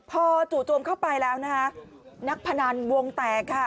พอจู่โจมเข้าไปแล้วนักพนันวงแตก